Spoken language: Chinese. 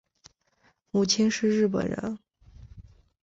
母亲是日本人。